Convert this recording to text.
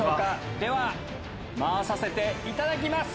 では、回させていただきます。